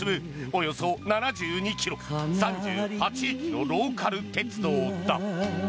およそ７２ｋｍ、３８駅のローカル鉄道だ。